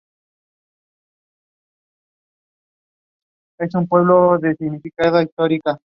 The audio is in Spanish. Habita en los Emiratos Árabes Unidos.